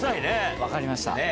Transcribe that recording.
分かりました。